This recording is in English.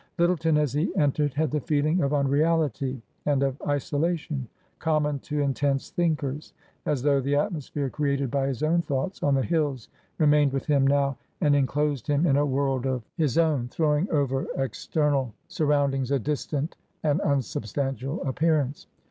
Lyttleton, as he entered, had the feeling of unreality and of isolation common to intense thinkers ; as though the atmosphere created by his own thoughts on the hills remained with him now and enclosed him in a world of 324 TRANSITION. his own, throwing over external surroundings a distant and unsubstantial appearance.